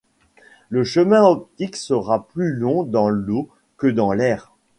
Le chemin optique sera plus long dans l'eau que dans l'air.